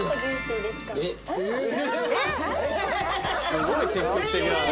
すごい積極的だね。